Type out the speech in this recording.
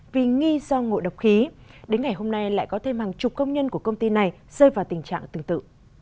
vì nghi do ngộ độc khí đến ngày hôm nay lại có thêm hàng chục công nhân của công ty này rơi vào tình trạng tương tự